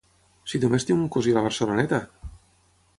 Si només tinc un cosí a la Barceloneta!